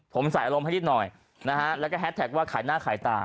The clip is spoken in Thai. ผมใส่อารมณ์ให้นิดหน่อยนะฮะแล้วก็แฮสแท็กว่าขายหน้าขายตา